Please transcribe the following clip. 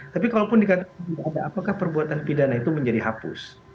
tapi kalaupun dikatakan tidak ada apakah perbuatan pidana itu menjadi hapus